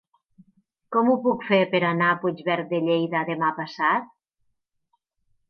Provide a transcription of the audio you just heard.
Com ho puc fer per anar a Puigverd de Lleida demà passat?